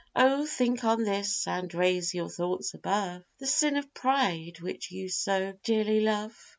Oh think on this, and raise your thoughts above The sin of pride, which you so dearly love.